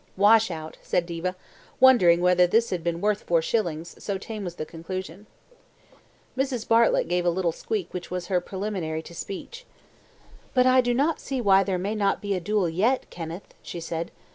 "Wash out," said Diva, wondering whether this had been worth four shillings, so tame was the conclusion. Mrs. Bartlett gave a little squeak which was her preliminary to speech. "But I do not see why there may not be a duel yet, Kenneth," she said.